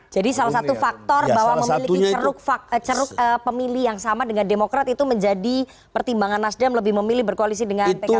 jadi salah satu faktor bahwa memiliki ceruk pemilih yang sama dengan demokrat itu menjadi pertimbangan nasdem lebih memilih berkoalisi dengan pkb